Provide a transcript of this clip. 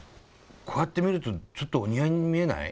こうやって見るとちょっとお似合いに見えない？